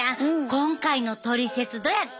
今回のトリセツどやった？